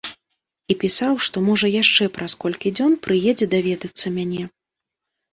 І пісаў, што, можа, яшчэ праз колькі дзён прыедзе даведацца мяне.